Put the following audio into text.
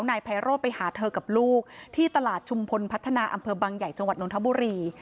นายไพโรธไปหาเธอกับลูกที่ตลาดชุมพลพัฒนาอำเภอบังใหญ่จังหวัดนทบุรี